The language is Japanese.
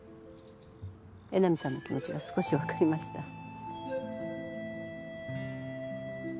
江波さんの気持ちが少しわかりました。